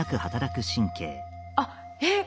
あっえっ